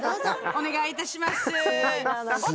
お願いいたします。